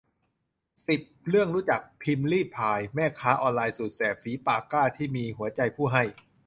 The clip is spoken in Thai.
สิบ เรื่องรู้จัก พิมรี่พาย แม่ค้าออนไลน์สุดแซ่บ ฝีปากกล้า ที่มีหัวใจผู้ให้